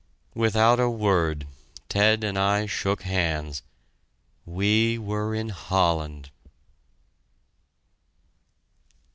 Without a word, Ted and I shook hands! We were in Holland!